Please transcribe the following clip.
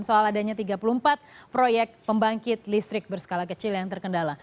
soal adanya tiga puluh empat proyek pembangkit listrik berskala kecil yang terkendala